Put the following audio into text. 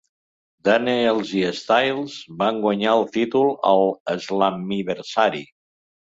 Daniels i Styles van guanyar el títol al Slammiversari.